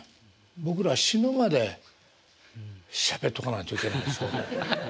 僕らは死ぬまでしゃべっとかないといけないでしょ。